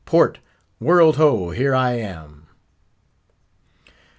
—port! World ho!—here I am!